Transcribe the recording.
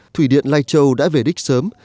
thủy điện lai châu đã về đích sớm